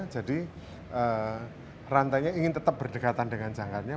jadi rantainya ingin tetap berdekatan dengan jangkarnya